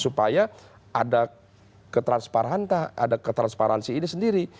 supaya ada ketransparan ada ketransparansi ini sendiri